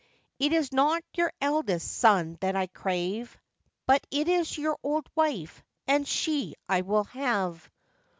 'It is not your eldest son that I crave, But it is your old wife, and she I will have.